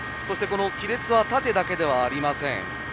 そしてこの亀裂は縦だけではありません。